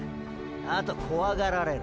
あとコワがられる。